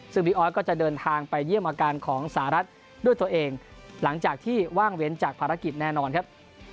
ซึ่งพี่ออสก็จะเดินทางไปเยี่ยมอาการของสหรัฐด้วยตัวเองหลังจากที่ว่างเว้นจากภารกิจแน่นอนครับ